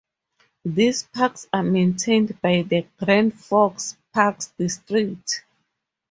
These parks are maintained by the Grand Forks Park District.